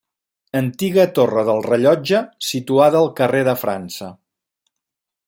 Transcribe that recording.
Antiga torre del rellotge situada al carrer de França.